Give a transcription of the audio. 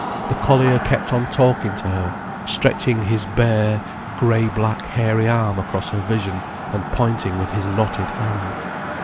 The collier kept on talking to her, stretching his bare, grey black hairy arm across her vision, and pointing with his knotted hand.